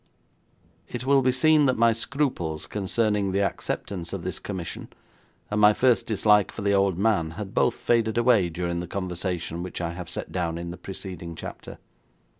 It will be seen that my scruples concerning the acceptance of this commission, and my first dislike for the old man had both faded away during the conversation which I have set down in the preceding chapter.